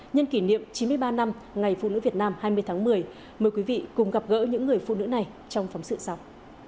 nhân kỷ niệm chín mươi ba năm ngày phụ nữ việt nam hai mươi tháng một mươi mời quý vị cùng gặp gỡ những người phụ nữ này trong phóng sự sau